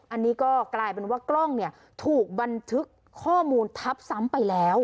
อันนี้ก็กลายเป็นว่ากล้องเนี่ยถูกบันทึกข้อมูลทับซ้ำไปแล้ว